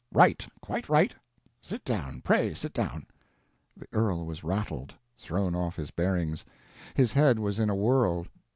"Right, quite right—sit down, pray sit down." The earl was rattled, thrown off his bearings, his head was in a whirl.